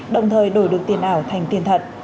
đồng thời đổi được tiền ảo thành tiền thật